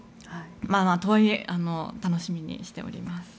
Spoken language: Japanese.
とはいえ楽しみにしております。